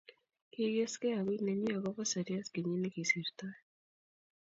Kigeskei agui nenyi agoba seriat kenyit negisirtoi